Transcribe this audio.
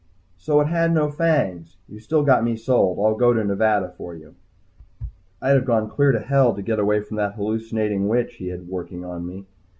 "So it had no fangs. You've still got me sold. I'll go to Nevada for you." I'd have gone clear to Hell to get away from that hallucinating witch he had working on me.